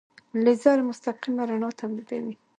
لیزر مستقیمه رڼا تولیدوي.